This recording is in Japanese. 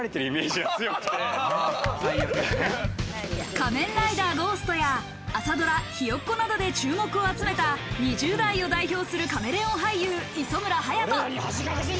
『仮面ライダーゴースト』や、朝ドラ『ひよっこ』などで注目を集めた２０代を代表するカメレオン俳優・磯村勇斗。